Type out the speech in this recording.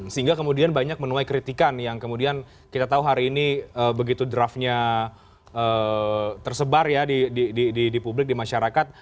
sehingga kemudian banyak menuai kritikan yang kemudian kita tahu hari ini begitu draftnya tersebar ya di publik di masyarakat